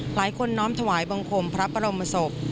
หลายคนน้อมถวายบังคมพระบรมศพ